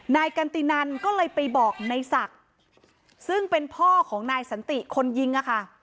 นายกันตินันก็เลยไปบอกนายศักดิ์ซึ่งเป็นพ่อของนายสันติคนยิงอะค่ะ